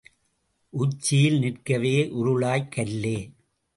உச்சியில் நிற்கவே உருளாய் கல்லே!